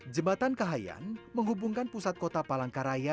jembatan kahayan menghubungkan pusat kota palangkaraya